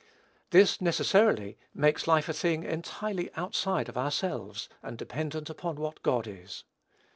This, necessarily, makes life a thing entirely outside of ourselves, and dependent upon what God is.